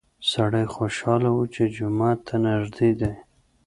سړی خوشحاله و چې جومات ته نږدې دی.